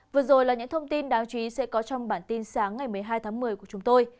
vừa rồi là những thông tin đáng chú ý sẽ có trong bản tin sáng ngày một mươi hai tháng một mươi của chúng tôi